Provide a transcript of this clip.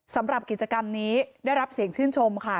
สำหรับกิจกรรมนี้ได้รับเสียงชื่นชมค่ะ